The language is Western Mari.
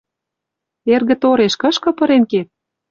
Эргӹ тореш кышкы пырен кет?